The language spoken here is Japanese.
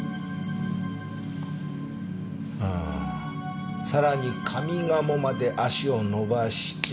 うんさらに上賀茂まで足を延ばして。